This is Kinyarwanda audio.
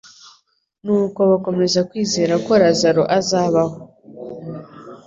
nuko bakomeza kwizera ko Lazaro azabaho.